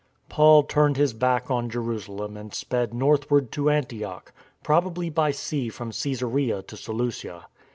Paul turned his back on Jerusalem and sped north ward to Antioch — probably by sea from Csesarea to Seleucia.